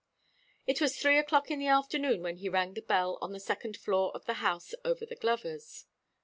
It was three o'clock in the afternoon when he rang the bell on the second floor of the house over the glover's.